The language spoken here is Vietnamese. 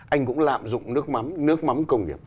anh cũng lạm dụng nước mắm công nghiệp